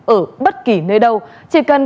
ở bất kỳ nơi đâu chỉ cần